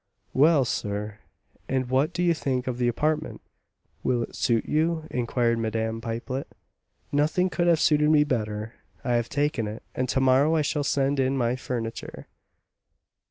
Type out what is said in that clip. "Well, sir, and what do you think of the apartment? Will it suit you?" inquired Madame Pipelet. "Nothing could have suited me better. I have taken it, and to morrow I shall send in my furniture."